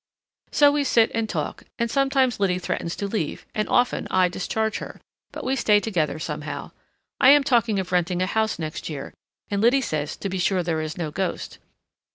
So we sit and talk, and sometimes Liddy threatens to leave, and often I discharge her, but we stay together somehow. I am talking of renting a house next year, and Liddy says to be sure there is no ghost.